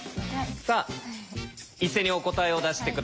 さあ一斉にお答えを出して下さい。